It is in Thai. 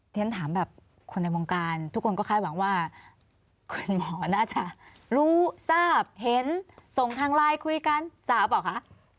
ฉันถามแบบคนในวงการทุกคนก็คาดหวังว่าคุณหมอน่าจะรู้ทราบเห็นส่งทางไลน์คุยกันทราบเปล่าคะ